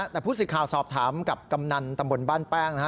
แต่ผู้สื่อข่าวสอบถามกับกำนันตำบลบ้านแป้งนะฮะ